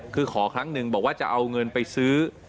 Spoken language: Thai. คือขอครั้งหนึ่งบอกว่าจะเอาเงินไปซื้อ